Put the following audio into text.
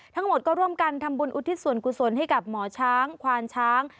ทั้งหมดก็ร่วมกันทำบุญอุทิศส่วนกุศลให้กับหมอช้างควานช้าง